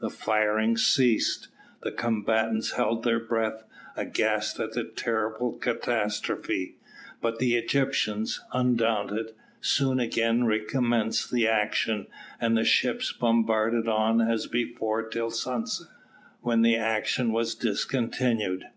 The firing ceased the combatants held their breath, aghast at the dreadful catastrophe; but the Egyptians, undaunted, soon again recommenced the action, and the ships bombarded on as before till sunset, when the action was discontinued.